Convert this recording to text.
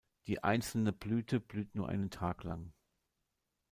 Die einzelne Blüte blüht nur einen Tag lang.